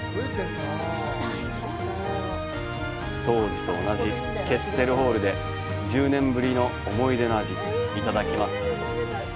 当時と同じケッセルホールで１０年ぶりの思い出の味、いただきます！